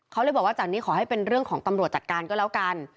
เขาเลยบอกว่าจากนี้ขอให้เป็นเรื่องของตำรวจจัดการก็แล้วกัน